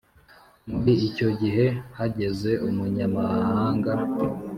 muri icyo gihe hageze umunyamahanga,